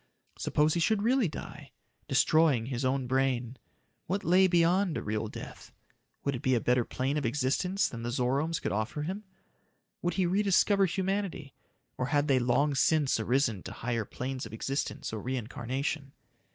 Suppose he should really die destroying his own brain? What lay beyond real death? Would it be a better plane of existence than the Zoromes could offer him? Would he rediscover humanity, or had they long since arisen to higher planes of existence or reincarnation?